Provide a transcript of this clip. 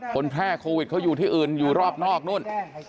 แพร่โควิดเขาอยู่ที่อื่นอยู่รอบนอกนู่น